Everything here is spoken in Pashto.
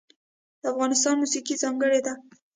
د افغانستان موسیقی ځانګړې ده